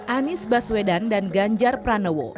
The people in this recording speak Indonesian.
anies baswedan dan ganjar pranowo